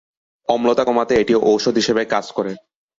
অম্লতা কমাতে এটি ঔষধ হিসাবে কাজ করে।